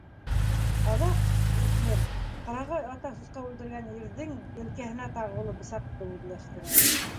Аҙаҡ үҫмер ҡырағай ата сусҡа үлтергән ирҙең елкәһенә тағыулы бысаҡты үҙләштерә.